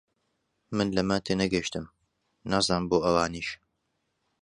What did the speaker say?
من لەمە تێنەگەیشتم، نازانم بۆ ئەوانیش